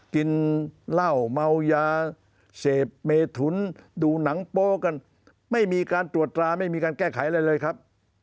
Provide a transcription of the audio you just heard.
กินเหล้าเมายาเสพเมถุนดูหนังโป๊กันไม่มีการตรวจตราไม่มีการแก้ไขอะไรเลยครับ